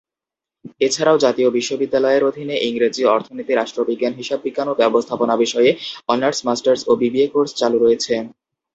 এছাড়াও জাতীয় বিশ্ববিদ্যালয়ের অধীনে ইংরেজি, অর্থনীতি, রাষ্ট্রবিজ্ঞান, হিসাববিজ্ঞান ও ব্যবস্থাপনা বিষয়ে অনার্স, মাস্টার্স ও বিবিএ কোর্স চালু রয়েছে।